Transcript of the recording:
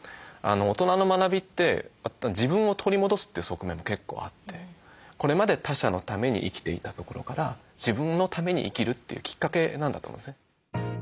大人の学びって自分を取り戻すという側面も結構あってこれまで他者のために生きていたところから自分のために生きるというきっかけなんだと思うんですね。